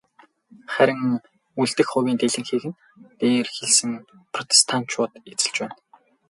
Харин үлдэх хувийн дийлэнхийг нь дээр хэлсэн протестантчууд эзэлж байна.